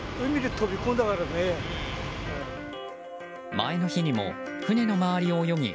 前の日にも船の周りを泳ぎ